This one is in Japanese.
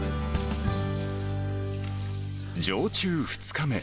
常駐２日目。